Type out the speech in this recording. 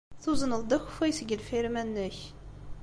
Tuzneḍ-d akeffay seg lfirma-nnek.